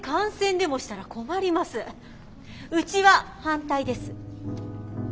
うちは反対です。